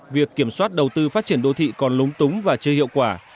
việc kiểm soát đầu tư phát triển đô thị còn lúng túng và chưa hiệu quả